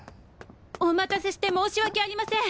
お待たせして申し訳ありません。